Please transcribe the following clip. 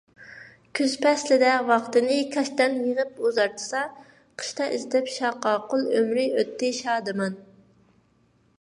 كۈز پەسلىدە ۋاقتىنى كاشتان يىغىپ ئۇزارتسا، قىشتا ئىزدەپ شاقاقۇل ئۆمرى ئۆتتى شادىمان.